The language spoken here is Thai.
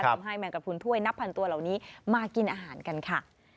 แมงกระพุนถ้วยนับพันตัวเหล่านี้มากินอาหารกันค่ะ